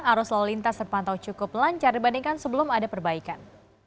arus lalu lintas terpantau cukup lancar dibandingkan sebelum ada perbaikan